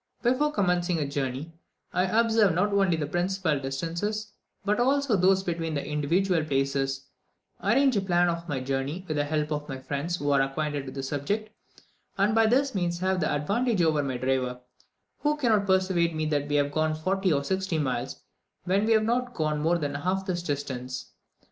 Before commencing a journey, I observe not only the principal distances, but also those between the individual places, arrange a plan of my journey with the help of friends who are acquainted with the subject, and by this means have the advantage over my driver, who cannot persuade me that we have gone forty or sixty miles, when we have not gone more than half this distance.